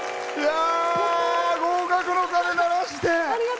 合格の鐘、鳴らして。